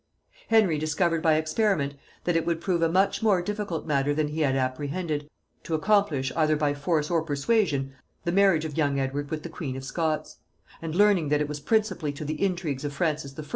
Henry discovered by experiment that it would prove a much more difficult matter than he had apprehended to accomplish, either by force or persuasion, the marriage of young Edward with the queen of Scots; and learning that it was principally to the intrigues of Francis I.